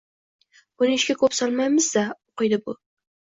Buni ishga koʻp solmaymiz-da, oʻqiydi bu.